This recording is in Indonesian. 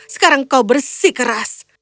sekarang kau bersih keras